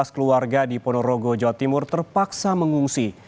tiga belas keluarga di ponorogo jawa timur terpaksa mengungsi